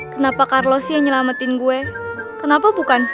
kenapa carlos sih yang nyelamatin gue kenapa bukan sam